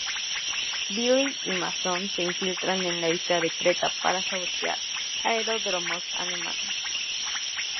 Billy y Mason se infiltran en la isla de Creta para sabotear aeródromos alemanes.